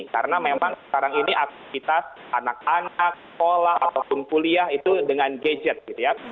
karena memang sekarang ini aktivitas anak anak sekolah ataupun kuliah itu dengan gadget gitu ya